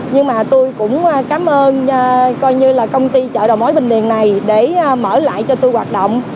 nhưng mà tôi cũng cảm ơn công ty chợ đầu mối bình điền này để mở lại cho tôi hoạt động